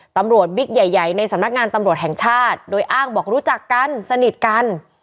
บิ๊กใหญ่ในสำนักงานตำรวจแห่งชาติโดยอ้างบอกรู้จักกันสนิทกัน